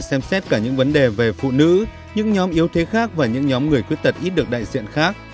xem xét cả những vấn đề về phụ nữ những nhóm yếu thế khác và những nhóm người khuyết tật ít được đại diện khác